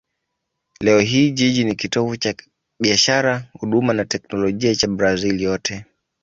Leo hii jiji ni kitovu cha biashara, huduma na teknolojia cha Brazil yote.